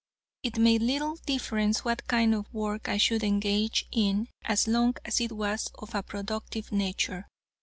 It made little difference what kind of work I should engage in as long as it was of a productive nature.